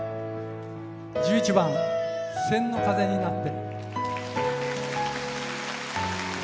１１番「千の風になって」。